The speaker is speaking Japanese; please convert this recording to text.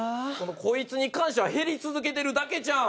こいつに関しては減り続けてるだけちゃうん。